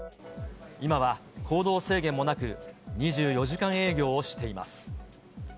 今は行動制限もなく、２４時間営業をしています。